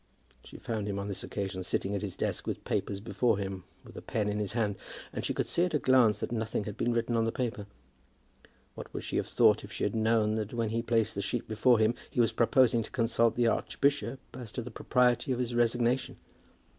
She found him on this occasion sitting at his desk with papers before him, with a pen in his hand; and she could see at a glance that nothing had been written on the paper. What would she have thought had she known that when he placed the sheet before him he was proposing to consult the archbishop as to the propriety of his resignation!